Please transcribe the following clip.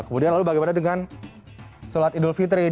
kemudian lalu bagaimana dengan sholat idul fitri